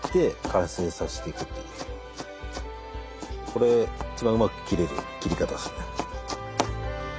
これ一番うまく切れる切り方ですね。